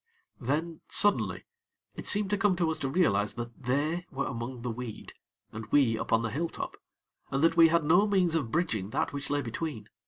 Then, suddenly, it seemed to come to us to realize that they were among the weed, and we upon the hilltop, and that we had no means of bridging that which lay between.